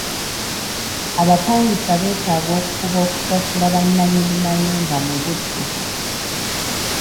Abapangisa beetaaga okufuba okusasula bannannyini mayumba mu budde.